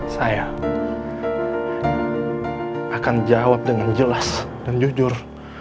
saya akan jawab dengan jelas dan jujur